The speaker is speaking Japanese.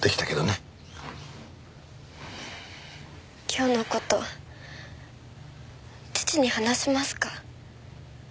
今日の事父に話しますか？